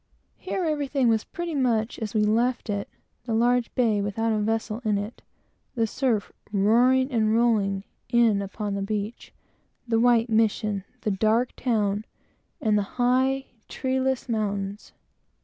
Here everything was pretty much as we left it the large bay without a vessel in it; the surf roaring and rolling in upon the beach; the white mission; the dark town and the high, treeless mountains.